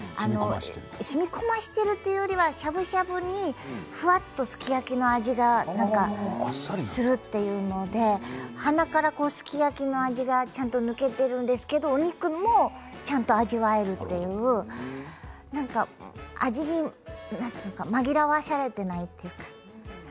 しみこませているというか、しゃぶしゃぶにふわっとすき焼きの味がするというので鼻からすき焼きの味がちゃんと抜けているんですけどお肉もちゃんと味わえるというなんか味に何て言うのか紛らわされていないというのか。